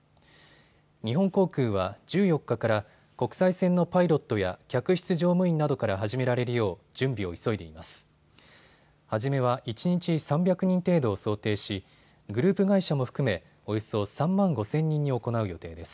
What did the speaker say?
日本航空は１４日から国際線のパイロットや客室乗務員などから始められるよう準備を急いでいます。